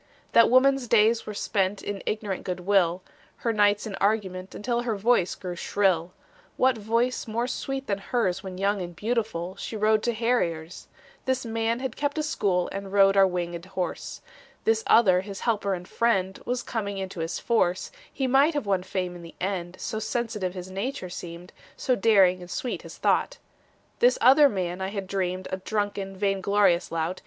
That woman's days were spent In ignorant good will, Her nights in argument Until her voice grew shrill. What voice more sweet than hers When young and beautiful, She rode to harriers? This man had kept a school And rode our winged horse. This other his helper and friend Was coming into his force; He might have won fame in the end, So sensitive his nature seemed, So daring and sweet his thought. This other man I had dreamed A drunken, vain glorious lout.